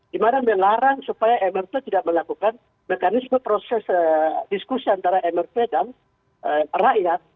di mana melarang supaya mrp tidak melakukan mekanisme proses diskusi antara mrp dan rakyat